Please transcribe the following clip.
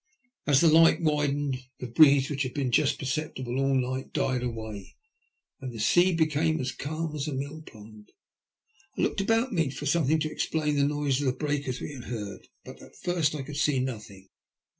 As the light widened, the breeze, which had been just perceptible all night, died away, and the sea became as calm as a mill pond. I looked about me for something to explain the noise of breakers we had 156 THE LUST OF HATB, heard, but at first could see nothing.